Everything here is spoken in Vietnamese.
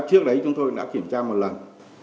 trước đấy chúng tôi đã kiểm tra một lần